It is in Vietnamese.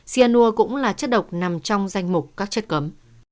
cyanur cũng là chất độc nằm trong danh mục các chất cấm